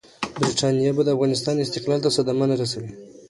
برټانیه به د افغانستان استقلال ته صدمه نه رسوي.